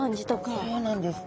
そうなんです。